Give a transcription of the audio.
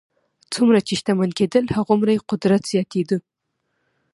څومره چې شتمن کېدل هغومره یې قدرت زیاتېده.